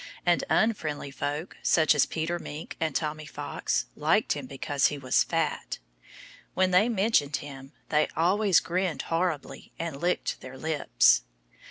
And unfriendly folk, such as Peter Mink and Tommy Fox, liked him because he was fat. When they mentioned him they always grinned horribly and licked their lips.